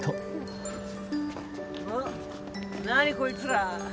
おっ何こいつら。